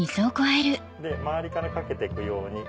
周りからかけてくように。